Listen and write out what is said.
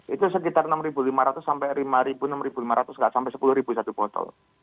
itu sekitar rp enam lima ratus sampai rp lima rp enam lima ratus nggak sampai rp sepuluh satu botol